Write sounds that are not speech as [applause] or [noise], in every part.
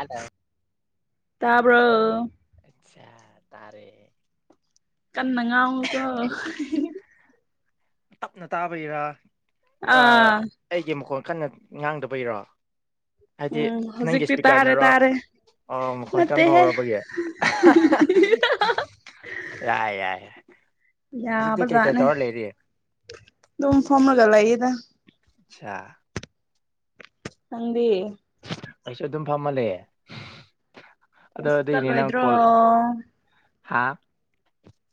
ꯑꯂ ꯄꯨ꯭ꯔꯣ ꯑꯆꯥ ꯇꯥꯔꯦ ꯀꯟꯅ ꯉꯥꯡꯉꯨꯀꯣ ꯇꯞꯅ ꯇꯥꯕꯒꯤꯔꯥ ꯑꯥ ꯑꯩꯒꯤ ꯃꯈꯣꯟ ꯀꯟꯅ ꯉꯥꯡꯗꯕꯩꯔꯣ ꯍꯥꯏꯗꯤ ꯎꯝ ꯅꯪꯒꯤ ꯍꯧꯖꯤꯛꯇꯤ ꯇꯥꯔꯦ ꯏꯁꯄꯤꯀꯔꯅꯔꯣ ꯇꯥꯔꯦ ꯑꯣ ꯈꯇꯅ ꯅꯠꯇꯦꯍꯦ ꯐꯥꯎꯔꯔꯕꯒꯦ ꯌꯥꯑ ꯌꯥꯏ ꯍꯧꯖꯤꯛꯇꯤ ꯀꯩꯀꯩ ꯌꯥꯕꯖꯥꯅꯦ ꯇꯧꯔ ꯂꯩꯔꯤ ꯝ ꯐꯣꯃꯅꯒ ꯂꯏꯗ ꯑꯆꯥ ꯍꯗꯤ ꯑꯩꯁꯨ ꯑꯗꯨꯝ ꯐꯝꯍꯜꯂꯦ ꯑꯗꯣ ꯀꯩꯁꯨ ꯑꯗꯨꯒꯤꯅꯦ ꯅꯪ ꯆꯠꯂꯣꯏꯗ꯭ꯔꯣ ꯀꯣꯜ ꯍꯥꯥ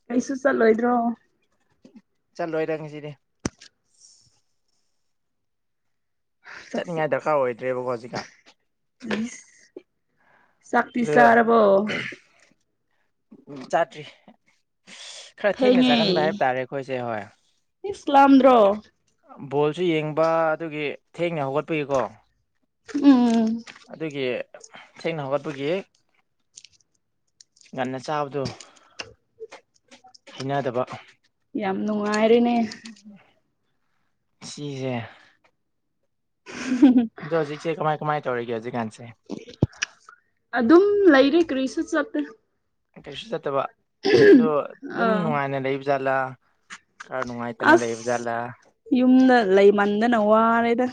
ꯀꯩꯁꯨ ꯆꯠꯂꯣꯏꯗ꯭ꯔꯣ ꯆꯠꯂꯣꯏꯗꯪ ꯉꯁꯤꯗꯤ ꯆꯥꯛꯁꯤ ꯆꯠꯅꯤꯡꯉꯥꯏ ꯗꯔꯀꯥꯔ ꯑꯣꯏꯗ꯭ꯔꯦꯕꯀꯣ ꯍꯧꯖꯤꯛꯀ ꯂꯤꯁ ꯁꯛꯇꯇ ꯁꯔꯔꯕꯣ ꯎ ꯆꯥꯇ꯭ꯔꯤ ꯈꯔ ꯊꯦꯡꯅ ꯊꯦꯡꯉꯦ ꯆꯥꯒꯟꯕ ꯍꯥꯏꯕ ꯇꯥꯔꯦ ꯑꯩꯈꯣꯏꯁꯦ ꯍꯣꯏ ꯏꯁ ꯂꯥꯝꯗ꯭ꯔꯣ ꯕꯣꯜꯁꯨ ꯌꯦꯡꯕ ꯑꯗꯨꯒꯤ ꯊꯦꯡꯅ ꯍꯧꯒꯠꯄꯒꯤꯀꯣ ꯎꯝ ꯑꯗꯨꯒꯤ ꯊꯦꯡꯅ ꯍꯧꯒꯠꯄꯒꯤ ꯉꯟꯅ ꯆꯥꯕꯗꯣ ꯍꯩꯅꯗꯕ ꯌꯥꯝ ꯅꯨꯡꯉꯥꯏ ꯁꯤꯤꯖꯦ ꯑꯗꯣ ꯍꯧꯖꯤꯛꯁꯦꯃꯥꯏ ꯀꯃꯥꯏ ꯇꯧꯔꯤꯒꯦ ꯍꯧꯖꯤꯛꯀꯥꯟꯁꯦ ꯑꯗꯨꯝ ꯂꯩꯔꯦ ꯀ꯭ꯔꯤꯁꯨ ꯆꯠꯇꯦ ꯀꯩꯁꯨ ꯆꯠꯇꯕ ꯑꯗꯣ ꯑꯗꯨꯝ ꯑꯥ ꯅꯨꯡꯉꯥꯏꯅ ꯂꯩꯕ ꯖꯥꯠꯂꯥ ꯈꯔ ꯅꯨꯡꯉꯥꯏꯇꯅ ꯂꯩꯕ ꯑꯁ ꯖꯥꯠꯂꯥ ꯌꯨꯝꯗ ꯂꯩꯃꯟꯗꯅ ꯋꯥꯔꯦꯗ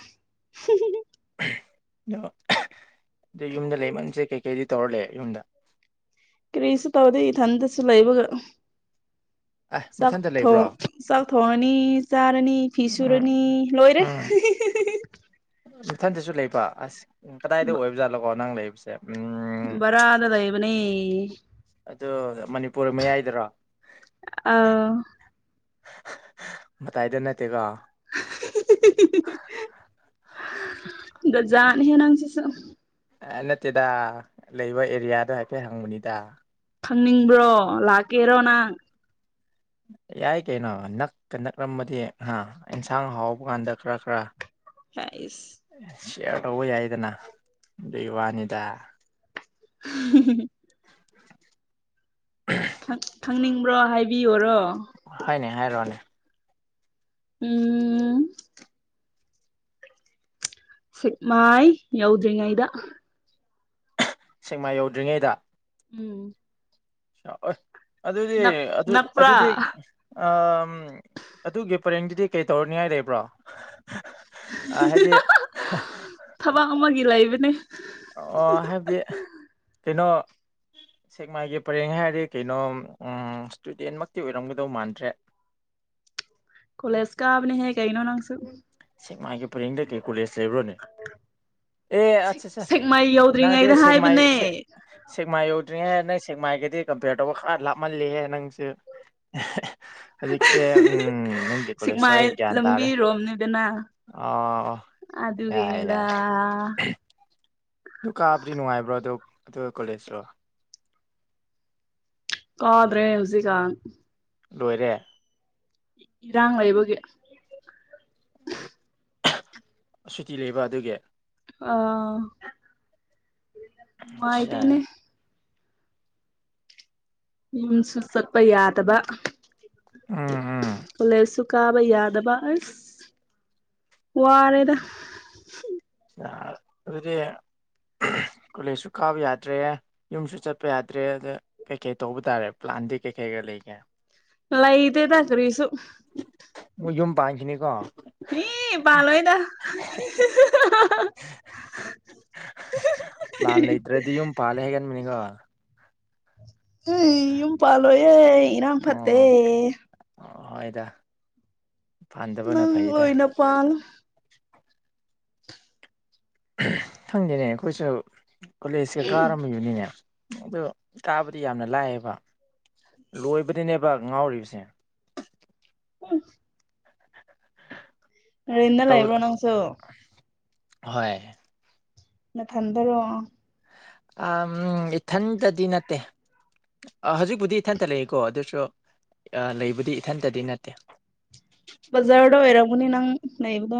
[unintelligible] ꯑ ꯑꯗ ꯌꯨꯝꯗ ꯂꯩꯃꯟꯁꯦ ꯀꯩꯀꯩꯗꯤ ꯇꯧꯔ ꯂꯩꯦ ꯌꯨꯝꯗ ꯀ꯭ꯔꯤꯁ ꯇꯥꯎꯗꯤ ꯊꯟꯁꯂ ꯏꯕꯒ [unintelligible] ꯆꯥꯛ ꯂꯩꯕ꯭ꯔꯣ ꯆꯥꯛ ꯊꯣꯡꯉꯅꯤ ꯆꯥꯔꯅꯤ ꯐꯤ ꯎꯝ ꯁꯨꯔꯅꯤ ꯂꯣꯏꯔꯦ [inaudible] ꯏꯊꯟꯗꯁꯨ ꯂꯩꯕ ꯑꯁ ꯀꯗꯥꯏꯗ ꯑꯣꯏꯕ ꯖꯥꯠꯂꯣꯀꯣ ꯅꯪ ꯂꯩꯕꯁꯦ ꯎꯝ ꯕꯔ ꯑꯗꯗ ꯏꯕꯅꯤ ꯑ ꯃꯅꯤꯄꯨꯔ ꯃꯌꯥꯏꯗꯔꯣ ꯑ ꯃꯥꯏꯗ ꯅꯠꯇꯦꯒ [inaudible] ꯒꯖꯅꯦ ꯍ ꯅꯪꯁꯤꯁꯨ ꯅꯠꯇꯦꯗ ꯂꯩꯕ ꯑꯦꯔꯤꯌꯥꯗꯣ ꯍꯥꯏꯐꯦꯠ ꯍꯪꯕꯅꯤꯗ ꯈꯪꯅꯤꯡꯕ꯭ꯔꯣ ꯂꯥꯛꯀꯦꯔꯣ ꯅꯍꯪ [inaudible] ꯌꯥꯏ ꯀꯩꯅꯣ ꯅꯛꯀ ꯅꯛꯂꯝꯃꯗꯤ ꯍꯥ ꯑꯦꯟꯁꯥꯡ ꯍꯥꯎꯕ ꯀꯥꯟꯗ ꯈꯔ ꯈꯔ ꯐꯁ ꯁꯤꯌꯥꯔ ꯇꯧꯕ ꯌꯥꯏꯗꯅ ꯑꯗꯨꯒꯤ ꯋꯥꯅꯤꯗ [unintelligible] ꯫ ꯈꯪꯅꯤꯡꯕ꯭ꯔꯣ ꯍꯥꯏꯕꯤꯌꯣꯔꯣ꯫ ꯍꯥꯏꯅꯦ ꯍꯥꯏꯔꯣꯅꯦ ꯎꯝ꯫ ꯁꯤ ꯃꯥꯏ ꯌꯎꯗ꯭ꯔꯤ ꯉꯥꯏꯗ꯫ ꯁꯦꯡꯃꯥ ꯌꯧꯗ꯭ꯔꯤꯉꯩꯗ꯫ ꯎꯝ ꯑꯗꯨꯗꯤ ꯅꯛ ꯑꯗꯨ ꯅꯛꯄ꯭ꯔꯥ ꯑꯗꯨꯗꯤ ꯑꯗꯨꯒꯤ ꯄꯔꯦꯡꯗꯨꯗꯤ ꯀꯩ ꯇꯧꯔꯅꯤꯉꯥꯏ ꯂꯩꯕ꯭ꯔꯣ ꯍꯥꯏꯗꯤ ꯊꯕꯛ ꯑꯃꯒꯤ ꯂꯩꯕꯅꯦ ꯍꯥꯏꯕꯗꯤ ꯀꯩꯅꯣ ꯁꯦꯛꯃꯥꯏꯒꯤ ꯄꯔꯦꯡ ꯍꯥꯏꯔꯗꯤ ꯀꯩꯅꯣ ꯏꯁꯇꯨꯗꯦꯟꯃꯛꯇꯤ ꯑꯣꯏꯔꯝꯒꯗꯧ ꯃꯥꯟꯗ꯭ꯔꯦ [inaudible] ꯀꯣꯂꯁꯀꯥꯕꯅꯤ ꯍꯦ ꯀꯩꯅꯣ ꯅꯪꯁꯨ ꯁꯤ ꯃꯥꯒꯤ ꯄꯔꯦꯡꯗ ꯀꯩ ꯀꯣꯂꯦꯖ ꯂꯩꯕ꯭ꯔꯣꯅꯦ ꯑꯦ ꯑꯠꯆꯥ ꯑꯆꯥ ꯁꯦꯛꯃꯥꯏ ꯌꯧꯗ꯭ꯔꯤꯉꯩꯗ ꯅꯪꯗꯦꯃ ꯍꯥꯏꯕꯅꯦ ꯁꯦꯃ ꯑꯣ ꯆ꯭ꯔꯤꯉꯩ ꯅꯪ ꯁꯦꯛꯃꯥꯏꯒꯗꯤ ꯀꯝꯄꯦꯌꯔ ꯇꯧꯕ ꯈꯔ ꯂꯥꯞꯍꯜꯂꯤꯍꯦ ꯅꯪꯁꯨ ꯍꯧꯖꯤꯛꯁꯦ ꯎ ꯅꯪꯒꯤ ꯀꯣꯂꯦꯖꯇ ꯑꯩ ꯁꯤꯛꯃꯥꯏ ꯒ꯭ꯌꯥꯟ ꯇꯥꯔꯦ ꯂꯝꯕꯤꯔꯣꯝꯅꯤꯗꯅ ꯑꯣ ꯌꯥꯏ ꯑꯗꯨꯒꯤꯅꯤꯗ ꯌꯥꯏ ꯑꯗꯨ ꯀꯥꯕꯨꯗꯤ ꯅꯨꯡꯉꯥꯏꯕ꯭ꯔꯣ ꯑꯣ ꯑꯗꯨ ꯀꯣꯂꯦꯖꯇꯣ ꯀꯥꯗ꯭ꯔꯦꯁꯤ ꯀꯥ ꯂꯣꯏꯔꯦ ꯏꯔꯥꯡ ꯂꯩꯕꯒꯤ ꯁꯨꯇꯤ ꯂꯩꯕ ꯑꯗꯨꯒꯤ ꯑ ꯑꯆꯥ ꯃꯥꯥꯏꯇꯅꯦꯅꯦ ꯌꯨꯝꯁꯨ ꯆꯠꯄ ꯌꯥꯗꯕ ꯎꯝ ꯎꯝ ꯀꯣꯂꯦꯖꯁꯨ ꯀꯥꯕ ꯌꯥꯗꯕ ꯑꯁ ꯋꯥꯔꯦꯗ ꯑ ꯑꯗꯨꯗꯤ ꯀꯣꯂꯦꯖꯁꯨ ꯀꯥꯕ ꯌꯥꯗ꯭ꯔꯦ ꯌꯨꯝꯁꯨ ꯆꯠꯄ ꯌꯥꯗ꯭ꯔꯦ ꯑꯗ ꯀꯩꯀꯩ ꯇꯧꯕ ꯇꯥꯔꯦ ꯄ꯭ꯂꯥꯁ ꯑꯟꯗ ꯀꯦ ꯀꯩꯒ ꯂꯩꯒꯦ ꯂꯩꯇꯦꯇ ꯀꯔꯤꯁꯨꯨ ꯃꯣꯏ ꯌꯨꯝ ꯄꯥꯟꯁꯤꯅꯤꯀꯣ꯫ ꯃꯤ ꯄꯥꯂꯣꯏꯗ ꯄ꯭ꯂꯥꯟ ꯂꯩꯇ꯭ꯔꯗꯤ ꯌꯨꯝ ꯄꯥꯜꯂꯦ ꯍꯥꯏꯒꯟꯃꯤꯅꯤꯒ꯫ ꯎꯝ ꯏꯨꯝ ꯄꯥꯂꯣꯏꯌꯦ ꯏꯔꯥꯡ ꯐꯠꯇꯦ ꯑꯣ ꯍꯣꯏꯗ ꯄꯥꯟꯗꯕꯅ ꯅꯪ ꯐꯩꯗ ꯑꯣꯏꯅ ꯄꯜꯂꯣ ꯈꯪꯗꯦꯅꯦ ꯑꯩꯈꯣꯏꯁꯨ ꯀꯣꯂꯦꯖꯀ ꯀꯥꯔꯝꯃꯤꯕꯅꯤꯅꯦ ꯑꯗꯨ ꯇꯥꯕꯗꯤ ꯌꯥꯝꯅ ꯂꯥꯏꯌꯦꯕ ꯂꯣꯏꯕꯗꯤꯅꯦꯕ ꯉꯥꯎꯔꯤꯕꯁꯦ ꯎꯝ꯫ ꯔꯦꯟꯗ ꯇꯧ ꯂꯥꯏꯕ꯭ꯔꯣ ꯅꯪꯁꯨ꯫ ꯍꯣꯏ ꯅꯊꯟꯗꯔꯣ ꯎꯝ ꯏꯊꯟꯇꯗꯤ ꯅꯠꯇꯦ ꯍꯧꯖꯤꯛꯄꯨꯗꯤ ꯏꯊꯟꯇ ꯂꯩꯏꯀꯣ ꯑꯗꯨꯁꯨ ꯂꯩꯕꯨꯗꯤ ꯏꯊꯟꯇꯗꯤ ꯅꯠꯇꯦ ꯕꯖꯥꯔꯗ ꯑꯣꯏꯔꯝꯒꯅꯤ ꯅꯪ ꯂꯩꯕꯗꯣ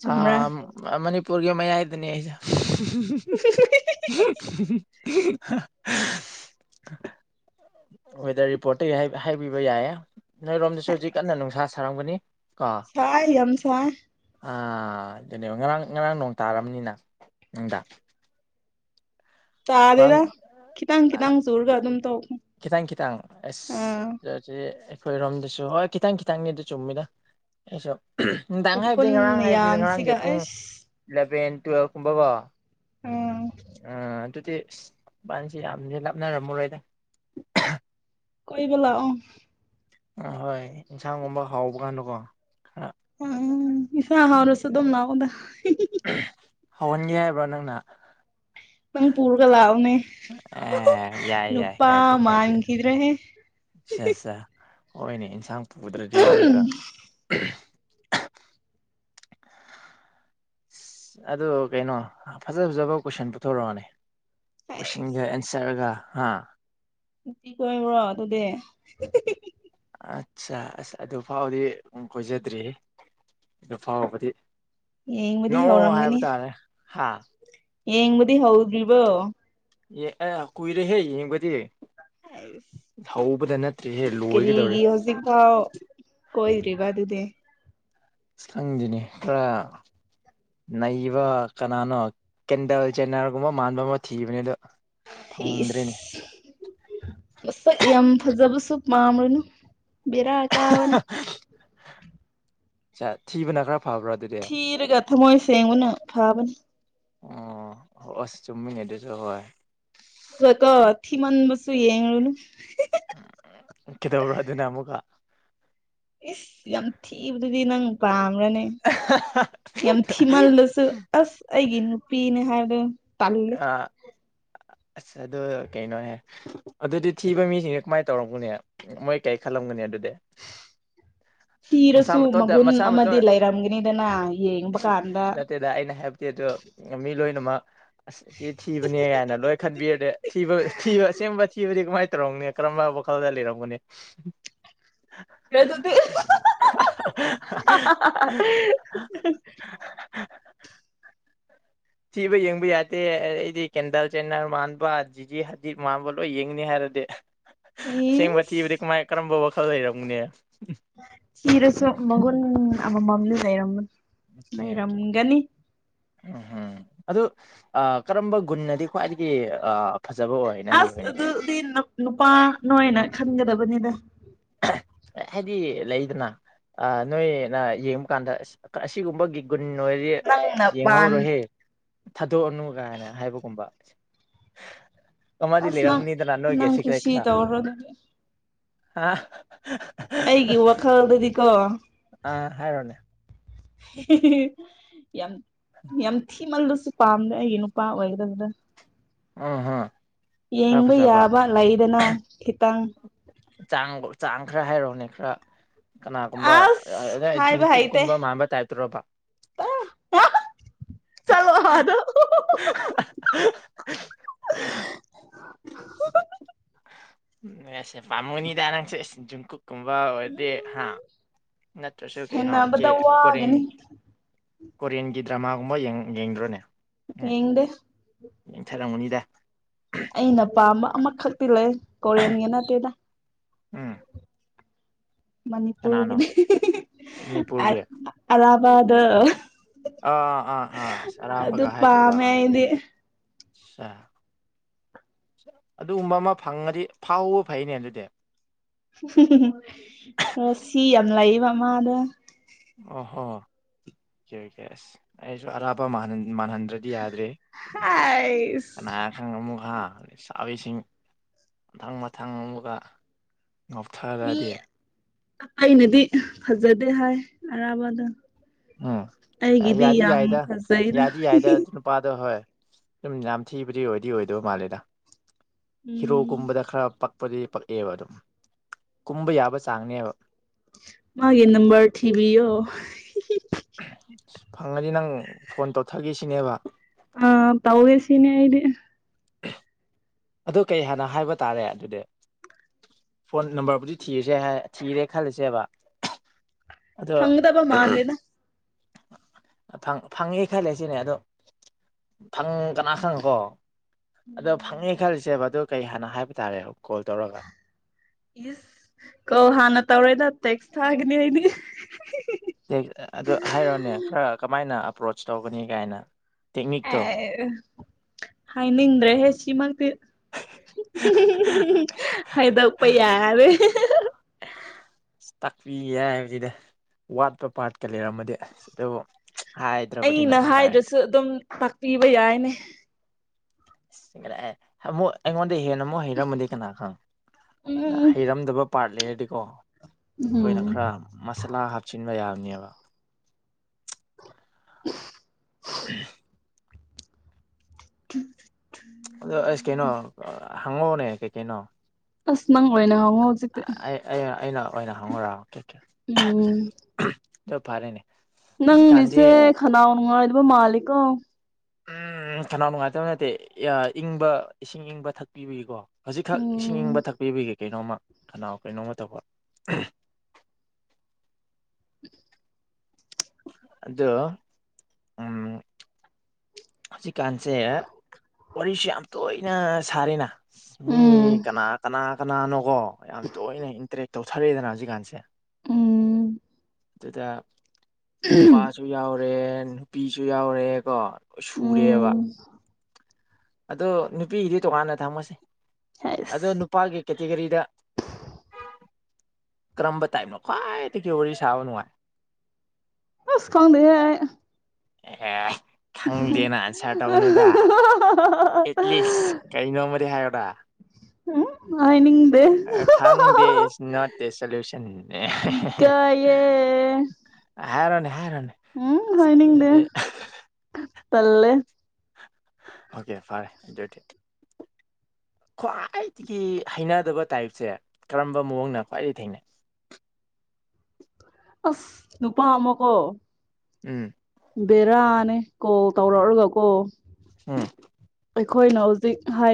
ꯆꯨꯝꯕ꯭ꯔꯥ ꯑ ꯃꯅꯤꯄꯨꯔꯒꯤ ꯃꯌꯥꯏꯗꯅꯤ [unintelligible] ꯋꯦꯗꯔ ꯔꯤꯄꯣꯔꯠꯇꯒꯤ ꯍꯥꯏꯕꯤꯕ ꯌꯥꯏꯌꯦꯦ ꯅꯣꯏꯔꯣꯝꯗꯁꯨ ꯍꯧꯖꯤꯛ ꯀꯟꯅ ꯅꯨꯡꯁꯥ ꯁꯥꯔꯝꯒꯅꯤ꯫ ꯀꯣ ꯁꯥꯏ ꯌꯥꯝ ꯁꯥꯑꯦ꯫ ꯑꯥ ꯗꯨꯅꯦꯕ ꯉꯔꯥꯡ ꯉꯔꯥꯡ ꯅꯣꯡ ꯇꯥꯔꯝꯅꯤꯅ ꯅꯨꯡꯗꯥ꯫ ꯇꯥꯗꯦꯗ ꯈꯤꯇꯪ-ꯈꯤꯇꯪ ꯆꯨꯔꯒ ꯑꯗꯨꯝ ꯇꫭꯛ ꯈꯤꯇꯥꯡ ꯀꯈꯤꯇꯪ ꯑꯁ [unintelligible] ꯑꯩꯈꯣꯏꯔꯣꯝꯗꯁꯨ ꯍꯣꯏ ꯈꯤꯇꯪ ꯈꯤꯇꯪꯅꯤ ꯑꯗꯨ ꯆꯨꯝꯃꯤꯗ ꯑꯩꯁꯨ ꯅꯨꯡꯗꯥꯡ ꯍꯥꯏꯕꯗꯤ ꯎꯐꯨꯟ ꯉꯔꯥꯡ ꯍꯥꯏꯕꯗꯤ ꯉꯔꯥꯡꯒꯤ ꯃꯌꯥꯝꯁꯤꯒ ꯄꯨꯡ ꯑꯩꯁ ꯏꯂꯚꯦꯟ ꯇꯨꯋꯦꯜꯕ ꯀꯨꯝꯕꯀꯣ꯫ ꯑꯥ ꯑ ꯑꯗꯨꯗꯤ ꯏꯁ ꯏꯕꯥꯅꯤꯁꯤ ꯌꯥꯝꯗꯤ ꯂꯥꯞꯅꯔꯝꯑꯔꯣꯏꯗ꯫ [unintelligible] ꯀꫭꯏꯕ ꯂꯥꯛꯑꫭ꯫ ꯑ ꯍꯣꯏ ꯑꯦꯟꯁꯥꯡꯒꯨꯝꯕ ꯍꯥꯎꯕ ꯀꯥꯟꯗꯀꯣ ꯈꯔ꯫ ꯏꯁꯥ ꯍꯥꯏꯗꯔꯁꯨ ꯑꯗꯨꯝ ꯂꯥꯛꯑꫭꯗ꯫ ꯍꯧꯍꯟꯒꯦ ꯍꯥꯏꯕ꯭ꯔꯣ ꯅꯪꯅ꯫ ꯅꯪ ꯄꯨꯔꯒ ꯂꯥꯛꯑꯣꯅꯦ ꯑꯦ ꯌꯥꯏ ꯅꯨꯄꯥ ꯃꯥꯟꯈꯤꯗ꯭ꯔꯦꯍꯦ꯫ ꯑꯠꯆꯥ ꯑꯠꯁ ꯍꯣꯏꯅꯦ ꯏꯟꯁꯥꯡ ꯄꯨꯗ꯭ꯔꯗꯤ ꯑꯃꯨꯛꯀ ꯑꯁ ꯑꯗꯨ ꯀꯩꯅꯣ ꯐꯖ ꯐꯖꯕ ꯀꯣꯏꯁꯟ ꯄꯨꯊꯣꯔꯛꯑꯅꯤ ꯍꯩꯁ ꯀꯣꯏꯁꯟꯒ ꯑꯦꯟ ꯁꯔꯒ ꯍꯥꯥ ꯗꯤ ꯀꫭꯏꯕ꯭ꯔꯣ ꯑꯗꯨꯗꯤ꯫ ꯑꯠꯆꯥ ꯑꯁ ꯑꯗꯨ ꯐꯥꯎꯗꯤ ꯀꯣꯏꯖꯗ꯭ꯔꯤ ꯍꯦ ꯑꯗꯨ ꯐꯥꯎꯕꯗꯤ꯫ ꯌꯦꯡꯕꯗꯤ ꯅꯣ ꯍꯥꯏꯕ ꯇꯥꯔꯦ ꯍꯥ꯫ ꯌꯦꯡꯕꯨꯗꯤ ꯍꯧꯗ꯭ꯔꯤꯕꯣ꯫ ꯌꯦ ꯑꯦ ꯀꯨꯏꯔꯦ ꯍꯦ ꯌꯦꯡꯕꯗꯤ꯫ ꯍꯥꯏꯁ꯫ ꯍꯧꯕꯗ ꯅꯠꯇ꯭ꯔꯦꯍꯦ ꯂꯣꯏꯒꯗꯧꯔꯦ ꯀꯔꯤꯒꯤ ꯍꯧꯖꯤꯛ ꯐꯥꯎ ꯀꯣꯏꯗ꯭ꯔꯤꯕ ꯑꯗꯨꯗꯤ꯫ ꯈꯪꯗꯦꯅꯦ ꯈꯔ ꯅꯩꯕ ꯀꯅꯥꯅꯣ ꯀꯦꯟꯗꯜ ꯆꯦꯟꯅꯔꯒꯨꯝꯕ ꯃꯥꯟꯕ ꯑꯃ ꯊꯤꯕꯅꯤ ꯑꯗꯣ ꯐꯪꯗ꯭ꯔꯦꯅꯦ ꯏꯁ ꯃꯁꯛ ꯌꯥꯝ ꯐꯖꯕꯁꯨ ꯄꯥꯝꯔꯅꯨ ꯕꯦꯔꯥ ꯀꯥꯕꯅꯤ꯫ ꯆ ꯊꯤꯕꯅ ꯈꯔ ꯐꯕ꯭ꯔꯥ ꯑꯗꯨꯗꯤ ꯑꯣ ꯊꯤꯔꯒ ꯊꯃꯣꯏ ꯁꯦꯡꯕꯅ ꯐꯥꯕꯅꯤ꯫ ꯑꯣ ꯑꯁ ꯆꯨꯝꯃꯤꯅꯦ ꯗꯨꯁꯨ ꯍꯣꯏ꯫ ꯀꫭ ꯊꯤꯃꯟꯕꯁꯨ ꯌꯦꯡꯔꯨꯅꯨ꯫ ꯎꯝ ꯀꯩꯗꯧꯔꯣ ꯑꯗꯨꯅ ꯑꯃꯨꯛꯀ꯫ ꯏꯁ ꯌꯥꯝ ꯊꯤꯕꯗꯨꯗꯤ ꯅꯪ ꯄꯥꯝ ꯔꯅꯦ ꯌꯥꯝ ꯊꯤꯃꯜꯂꯁꯨ ꯑꯁ ꯑꯩꯒꯤ ꯅꯨꯄꯤꯅꯦ ꯍꯥꯏꯕꯗꯣ ꯇꯜꯂꯦ꯫ [unintelligible] ꯑꯁ ꯑꯗꯨ ꯀꯩꯅꯣꯍꯦ ꯑꯗꯨꯗꯤ ꯊꯤꯕ ꯃꯤꯁꯤꯡꯁꯦ ꯀꯃꯥꯏ ꯇꯧꯔꯝꯒꯅꯤ ꯃꯣꯏ ꯀꯩ ꯈꯜꯂꯝꯒꯅꯤ꯫ ꯑꯗꯨꯗꯤ ꯃꯁꯥ ꯊꯤꯔꯁꯨ ꯃꯇꯣꯟꯇ ꯃꯒꯨꯟ ꯃꯁꯥ ꯃꯇꯣꯟ ꯑꯃꯗꯤ ꯂꯩꯔꯝꯒꯅꯤꯗꯅ ꯌꯦꯡꯕ ꯀꯥꯟꯗ ꯅꯠꯇꯦꯗ ꯑꯩꯅ ꯍꯥꯏꯕꯗꯤ ꯗ ꯑ ꯃꯤ ꯂꫭꯏ ꯨꯃꯛ ꯑꯁ ꯑꯁꯤ ꯊꯤꯕꯅꯦ ꯀꯥꯏꯅ ꯂꯣꯏ ꯈꯟꯕꯤꯔꯗꯤ ꯊꯤꯕ ꯊꯤꯕ ꯑꯁꯦꯡꯕ ꯊꯤꯕꯗꯤ ꯀꯃꯥꯏ ꯇꯧꯔꫭꯡꯅꯦ ꯀꯔꯝꯕ ꯋꯥꯈꯜꯗ ꯂꯩꯔꯝꯒꯅꯤ꯫ ꯀꯦ ꯇꯨꯗꯤ ꯑꯍꯍꯍ [unintelligible] ꯊꯤꯕ ꯌꯦꯡꯕ ꯌꯥꯇꯦ ꯑꯩꯗꯤ ꯀꯦꯟꯗꯜ ꯆꯦꯟꯅꯔ ꯃꯥꯟꯕ ꯖꯤꯖꯤ ꯍꯖꯤꯠ ꯃꯥꯟꯕ ꯂꯣꯏ ꯌꯦꯡꯅꯤ ꯍꯥꯏꯔ ꯗꯤ ꯑꯁꯦꯡꯕ ꯏꯁ ꯊꯤꯕꯗꯤ ꯀꯃꯥꯏ ꯀꯔꯝꯕ ꯋꯥꯈꯜ ꯂꯩꯔꯝꯒꯅꯤ꯫ ꯊꯤꯔꯁꯨ ꯃꯒꯨꯟ ꯑꯃ ꯃꯝꯂꯤ ꯂꯩꯩꯔꯝꯒꯅꯤ꯫ ꯂꯩꯔꯝꯒꯅꯤ꯫ ꯎꯝꯍ ꯑꯗꯨ ꯑ ꯀꯔꯝꯕ ꯒꯨꯟꯅꯗꯤ ꯈ꯭ꯋꯥꯏꯗꯒꯤ ꯑ ꯐꯖꯕ ꯑꯣꯏ ꯅꯪꯒꯤ ꯑꯁ ꯑꯣꯏꯅꯗꯤ ꯑꯗꯨꯗꯤ ꯕꯅꯤꯗ ꯍꯥꯏꯗꯤ ꯂꯩꯗꯅ ꯅꯣꯏꯅ ꯌꯦꯡꯕ ꯀꯥꯟꯗ ꯑꯁꯤꯒꯨꯝꯕꯒꯤ ꯀꯒꯨꯟꯣꯏꯗꯤ ꯅꯪꯅ ꯄꯥꯟ ꯌꯦꯡꯍꯧꯔꯣꯍꯦ ꯊꯥꯗꯣꯛꯑꯅꯨ ꯀꯥꯏꯅ ꯍꯥꯏꯕꯒꯨꯝꯕ ꯑꯃꯖꯤ ꯑꯁ ꯂꯩ ꯅꯪ ꯔꯪꯅꯤꯗ ꯅꯅ ꯑꯣꯏꯒꯦ ꯅꯪ ꯁꯤꯈꯔꯦ ꯀꯨꯁꯤ ꯈꯔ ꯇꯧꯔꯣ ꯑꯗꯨꯗꯤ ꯍꯥ ꯑꯩꯒꯤ ꯋꯥꯈꯜꯗꯗꯤꯀꯣ ꯑꯥ ꯍꯥꯏꯔꯣꯅꯦ ꯌꯥꯝ ꯌꯥꯝ ꯊꯤꯃꯜꯂ ꯄꯥꯝꯃꯦ ꯑꯩꯩꯅꯄꯥꯥ ꯑꯣꯏꯗꯗ ꯑꯝ ꯍꯝ ꯌꯦꯡꯕ ꯌꯥꯕ ꯂꯩꯗꯅ ꯈꯤꯇꯪ ꯆꯥꯡ ꯆꯥꯡ ꯈꯔ ꯍꯥꯏꯔꯛꯑꯣꯅꯦ ꯈꯔ ꯀꯅꯥꯒꯨꯝꯕ ꯑꯁ ꯍꯥꯏꯕ ꯖꯨꯡꯀꯨꯞ ꯍꯩꯇꯦ ꯀꯨꯝꯕ ꯃꯥꯟꯕ ꯇꯥꯏꯞꯇ꯭ꯔꯕ ꯆꯂꯣ ꯍꯥꯗ [unintelligible] ꯁꯦ ꯄꯥꯃꯅꯤꯗꯔꯥꯡꯁꯦ ꯖꯨꯀ ꯀꯨꯝꯕ ꯑꯣꯏꯔꯗꯤ ꯍꯥ ꯎꯝ ꯅꯠꯇ꯭ꯔꯁꯨ ꯀꯩꯅꯣ ꯀ ꯁꯦꯟꯅꯕꯗ ꯀ ꯋꯥꯒꯅꯤ ꯀꯣꯔꯤꯌꯟꯒꯤ ꯗ꯭ꯔꯃꯥꯒꯨꯝꯕ ꯌꯦꯡꯗ꯭ꯔꯣꯅꯦ ꯌꯦꯡꯗꯤ ꯊꯔꯥꯡꯃꯨꯅꯤꯗ ꯑꯩꯅ ꯄꯥꯝꯕ ꯑꯃꯈꯛꯇꯤ ꯂꯩ ꯀꯣꯔꯤꯌꯟꯒꯤ ꯅꯠꯇꯦꯗ ꯎꯝ ꯀꯅꯥꯅꯣ ꯃꯅꯤꯄꯨꯔꯒꯤꯗꯤ ꯑ ꯃꯅꯤꯄꯨꯔꯒꯤ ꯑꯕꯥꯗ ꯑꯥ ꯑꯥ ꯑꯥ ꯑꯥ ꯆꯔꯥꯄꯒ ꯍꯥꯏꯈꯤꯕꯗꯣ ꯄꯥꯝꯃꯦ ꯑꯥ ꯑꯩꯗꯤ ꯁ ꯑꯗꯨꯒꯨꯝꯕ ꯑꯃ ꯐꯪꯉꯗꯤ ꯐꯥꯎꯕ ꯐꯩꯅꯦ ꯑꯗꯨꯗꯤ ꯑ ꯁꯤ ꯌꯥꯝ ꯂꯩꯌꯦꯕꯃꯥꯅꯦ ꯑꯣ ꯍ ꯀꯦꯁ ꯑꯩꯁꯨ ꯑꯔꯥꯄꯄꯥ ꯃꯥꯅ ꯃꯜꯍꯟꯗ꯭ꯔꯗꯤ ꯌꯥꯗ꯭ꯔꯦ ꯍꯥꯏꯁ ꯀꯅꯥ ꯈꯪ ꯑꯃꯨ ꯑꯗꯩ ꯆꯕꯤꯁꯤꯡ ꯃꯊꯪ ꯃꯊꯪ ꯑꯃꯒ ꯃꯤ ꯉꯞꯊꯔꯗꯤ ꯑꯩꯅꯗꯤ ꯐꯖꯗꯦ ꯍꯥꯏ ꯑꯔꯥꯕꯗ ꯎꯝ ꯌꯥꯗꯤ ꯌꯥꯏꯗ ꯐꯖꯩꯗ ꯌꯥꯗꯤ ꯌꯥꯏꯗ ꯑꯗꯨ ꯅꯨꯄꯥꯥꯗ ꯍꯣꯏ ꯁꯨꯝ ꯌꯥꯝ ꯊꯤꯕꯗꯤ ꯑꯣꯏꯗꯤ ꯑꯣꯏꯗꯣꯏ ꯃꯥꯜꯂꯦꯗ ꯎꯝ ꯍꯤꯔꯣꯒꯨꯝꯕꯗ ꯈꯔ ꯄꯛꯄꯗꯨꯗꯤ ꯄꯛꯑꯦꯕ ꯑꯗꯨꯝ ꯀꯨꯝꯕ ꯌꯥꯕ ꯆꯥꯡꯅꯦꯕ ꯃꯥꯒꯤꯦ ꯅꯝꯕꯔ ꯊꯤꯕꯤ ꯌꯣ ꯑ ꯐꯪꯉꯗꯤ ꯅꯪ ꯐꯣꯟ ꯇꯧꯊꯒꯦꯁꯤꯅꯦꯕ ꯑ ꯇꯧꯋꯦꯁꯤꯅꯦꯦ ꯍꯥꯏꯗꯤꯦ ꯑꯗꯨ ꯀꯩ ꯍꯥꯏꯥꯟꯅ ꯍꯥꯏꯕ ꯇꯥꯔꯦ ꯑꯗꯨꯗꯤ ꯐꯣꯟ ꯅꯝꯕꯔꯕꯨꯗꯤ ꯊꯤꯔꯁꯦ ꯊꯤꯔꯦ ꯈꯂꯁꯦꯕ ꯐꯪꯒꯗ ꯄ ꯃꯥꯥꯟꯗꯅ ꯐꯪꯉꯦ ꯈꯜꯂꯦ ꯁꯤꯅꯦ ꯑꯗꯣꯪ ꯀꯅꯥ ꯈꯪꯉꯀꯣ ꯑꯗꯣ ꯐꯪꯉꯦ ꯎꯝ ꯈꯜꯂꯤꯁꯦꯕ ꯑꯗꯨ ꯀꯩ ꯍꯥꯟꯅ ꯍꯥꯏꯕ ꯇꯥꯔꯦ ꯀꯣꯜ ꯇꯧꯔꯒ ꯏꯁ ꯀꯧ ꯍꯥꯟꯅ ꯇꯧꯔꯣꯏꯗ ꯇꯦꯛꯁ ꯊꯥꯒꯅꯤ ꯑꯩꯗꯤ ꯄ꯭ꯔꯣꯁ ꯇꯧꯒꯅꯤ ꯀꯥꯏꯅ ꯇꯦꯛꯅꯤꯛꯇꯣ ꯑꯦ ꯍꯥꯏꯅꯤꯡꯗ꯭ꯔꯦ ꯍꯦ ꯁꯤꯃꯛꯇꯛꯇꯤ ꯍꯥꯏꯗꯄꯩ ꯌꯥꯔꯦ ꯇꯥꯛꯄꯤ ꯌꯥꯏ ꯍꯥꯏꯕꯁꯤꯗ ꯋꯥꯠꯄ ꯄꯥꯠꯀ ꯂꯩꯔꯝꯃꯗꯤꯁ ꯑꯗꯨꯕꯨ ꯍꯥꯏꯗ꯭ꯔꯕꯅꯤꯅ ꯑꯩꯅ ꯍꯣꯏ ꯍꯥꯏꯗ꯭ꯔꯁꯨ ꯑꯗꯨꯝ ꯇꯥꯛꯄꯤꯕ ꯌꯥꯏꯅꯦ ꯑꯩꯉꯣꯟ ꯑꯩ ꯍꯦꯟꯅ ꯑꯃꯨꯛ ꯍꯩꯔꯝꯃꯗꯤ ꯀꯅꯥ ꯈꯪ ꯎꯝ ꯍꯩꯔꯝꯗꯕ ꯄꯥꯔꯠ ꯂꯩꯔꯗꯤꯀꯣ ꯎꯝ ꯑꯩꯈꯣꯏꯅ ꯈꯔ ꯃꯁꯥꯂꯥ ꯍꯥꯞꯆꯤꯟꯕ ꯌꯥꯕꯅꯦꯕ ꯎꯞ ꯑꯍꯦ ꯎ ꯑꯗꯣ ꯑꯁ ꯀꯩꯅꯣ ꯍꯪꯉꯧꯅꯦ ꯀꯩꯀꯩꯅꯣ ꯑꯁ ꯅꯪ ꯑꯣꯏꯅ ꯍꯉꯧ ꯍꯧꯖꯤꯛ ꯑꯩ ꯑꯩꯅ ꯑꯣꯏꯅ ꯍꯪꯉꯧꯔꯥ ꯑꯗꯨ ꯐꯔꯦꯅꯦ ꯅꯪ ꯍꯧꯖꯤꯛꯀꯥꯟꯗꯤ ꯂꯤꯁꯦ ꯈꯅꯥꯎ ꯅꯨꯡꯉꯥꯏꯕ ꯃꯥꯂꯤꯀꯣ ꯎꯝ ꯊꯅꯥꯎ ꯅꯨꯡꯉꯥꯏꯇꯕ ꯅꯠꯇꯦ ꯏꯪꯕ ꯏꯁꯤꯡ ꯏꯪꯕ ꯊꯛꯄꯤꯕꯤꯀꯣ ꯍꯧꯖꯤꯛꯈꯛ ꯏꯁꯤꯡ ꯏꯪꯕ ꯎꯝ ꯊꯛꯄꯤꯕꯒꯤ ꯀꯩꯅꯣꯝꯃ ꯀꯅꯥꯎ ꯀꯩꯅꯣꯝꯃ ꯇꯧꯕ ꯑꯗꯨ ꯎꯝ ꯍꯧꯖꯤꯛꯀꯥꯟꯁꯦ ꯋꯥꯔꯤꯁꯦ ꯌꯥꯝ ꯇꯣꯏꯅ ꯁꯥꯔꯦꯅ ꯃꯤ ꯎꯝ ꯀꯅꯥ ꯀꯅꯥ ꯀꯅꯥꯅꯣꯀꯣ ꯌꯥꯝ ꯇꯣꯏꯅ ꯇꯔꯦꯛ ꯇꯧꯊꯔꯛꯑꯦꯗꯅ ꯍꯧꯖꯤꯛꯀꯥꯟꯁꯦ ꯎꯝ ꯑꯗꯨꯗ ꯅꯨꯄꯥꯁꯨ ꯌꯥꯎꯔꯦ ꯅꯨꯄꯤꯁꯨ ꯌꯥꯎꯔꯦ ꯀꯣ ꯁꯨꯔꯦꯕ ꯎꯝ ꯑꯗꯣ ꯅꯨꯄꯤꯒꯤꯗꯤ ꯇꯣꯉꯥꯟꯅ ꯊꯝꯃꯁꯦ ꯑꯗꯣ ꯍꯩꯁ ꯅꯨꯄꯥꯒꯤ ꯀꯦꯇꯤꯒꯣꯔꯤꯗ ꯀꯔꯝꯕꯝꯕ ꯇꯥꯏꯞ ꯀ꯭ꯋꯥꯏꯗꯒꯤ ꯋꯥꯔꯤ ꯁꯥꯕ ꯅꯨꯡꯉꯥꯏ ꯑꯁ ꯈꯪꯗꯦꯍꯦ ꯑꯩ ꯍꯦ ꯈꯪꯗꯦꯅ ꯑꯟꯁꯔ ꯇꯧꯅꯨꯗ ꯑꯦꯠꯂꯤꯁ ꯀꯅꯣ ꯑꯃꯗꯤ ꯍꯥꯏꯌꯨꯗ ꯎꯝ ꯍꯥꯏꯅꯤꯡꯗꯦ ꯈꯪꯗꯦ ꯢꯁ ꯅꯣꯠꯗ ꯁꯣꯂꯨꯁꯟ ꯏꯀꯥꯏꯌꯦ ꯍꯥꯏꯔꯣꯅꯦ ꯍꯥꯏꯔꯣꯅꯦ ꯎꯝ ꯑꯁ ꯍꯥꯏꯅꯤꯡꯗꯦ ꯑꯗꯨꯗꯤ ꯇꯜꯂꯦ ꯑꯣꯀꯦ ꯐꯔꯦ ꯑꯗꯨꯗꯤ ꯈ꯭ꯋꯥꯏꯗꯒꯤ ꯍꯩꯅꯗꯕ ꯇꯥꯏꯞꯁꯦ ꯀꯔꯝꯕ ꯃꯑꯣꯡꯅ ꯈ꯭ꯋꯥꯏꯗꯒꯤ ꯊꯦꯡꯅꯩ ꯑꯁ ꯅꯨꯄꯥ ꯑꯃꯀꯣ ꯎꯝ ꯕꯦꯔꯥꯅꯦ ꯀꯣꯜ ꯇꯧꯔꯛꯑꯒ ꯀꯣ ꯎꯝ ꯑꯩꯈꯣꯏꯅ ꯍꯧꯖꯤꯛ ꯍꯥꯏ